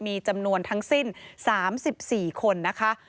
มีจำนวนทั้งสิ้น๓๔คนนะคะ